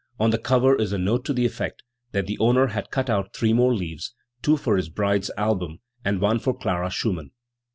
On the cover is a no'te to the effect that the owner had cut out three more leaves two for his bride's album, and one for Clara Schumann*.